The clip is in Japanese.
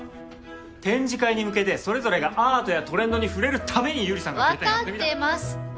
展示会に向けてそれぞれがアートやトレンドに触れるために百合さんが分かってますって！